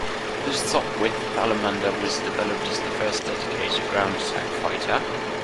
The Sopwith Salamander was developed as the first dedicated ground attack fighter.